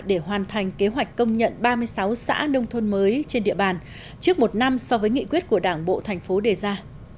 để hoàn thành kế hoạch công nhận ba mươi sáu xã nông thôn mới trên địa bàn trước một năm so với nghị quyết của đảng bộ thành phố đề ra